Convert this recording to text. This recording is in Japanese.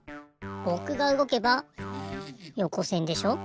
ぼくがうごけばよこせんでしょ。